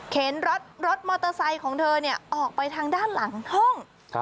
รถมอเตอร์ไซค์ของเธอออกไปทางด้านหลังห้อง